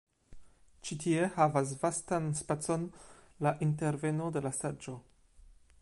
Ĉi tie havas vastan spacon la interveno de la saĝo.